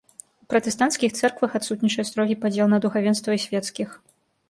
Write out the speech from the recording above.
У пратэстанцкіх цэрквах адсутнічае строгі падзел на духавенства і свецкіх.